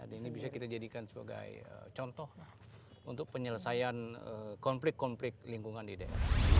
ini bisa kita jadikan sebagai contoh untuk penyelesaian konflik konflik lingkungan di daerah